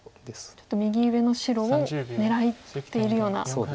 ちょっと右上の白を狙っているようなところですか。